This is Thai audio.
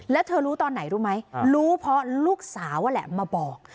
แล้วเธอรู้ตอนไหนรู้ไหมรู้เพราะลูกสาวนั่นแหละมาบอก